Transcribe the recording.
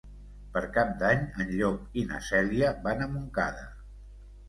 Per Cap d'Any en Llop i na Cèlia van a Montcada.